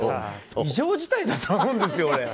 異常事態だと思うんですよ俺。